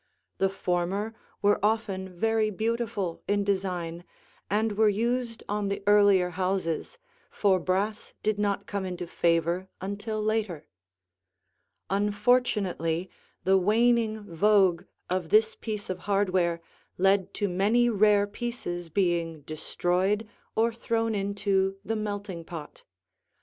The former were often very beautiful in design and were used on the earlier houses, for brass did not come into favor until later. Unfortunately the waning vogue of this piece of hardware led to many rare pieces being destroyed or thrown into the melting pot.